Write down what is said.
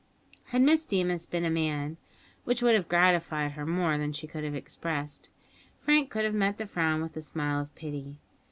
Had Miss Deemas been a man (which would have gratified her more than she could have expressed) Frank could have met the frown with a smile of pity.